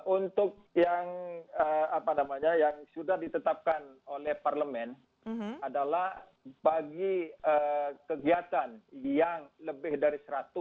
untuk yang apa namanya yang sudah ditetapkan oleh parlemen adalah bagi kegiatan yang lebih dari seratus